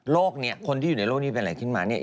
เนี่ยคนที่อยู่ในโลกนี้เป็นอะไรขึ้นมาเนี่ย